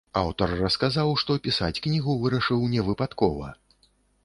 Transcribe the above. Аўтар расказаў, што пісаць кнігу вырашыў невыпадкова.